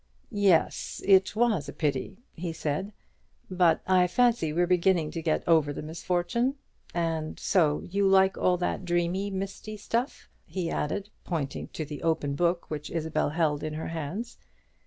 "Yes, it was a pity," he said; "but I fancy we're beginning to get over the misfortune. And so you like all that dreamy, misty stuff?" he added, pointing to the open book which Isabel held in her hands.